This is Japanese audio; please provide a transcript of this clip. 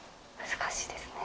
難しいですね。